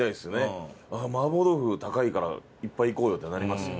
麻婆豆腐高いからいっぱいいこうよってなりますよ。